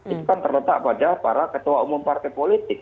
itu kan terletak pada para ketua umum partai politik